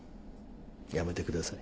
やめてください。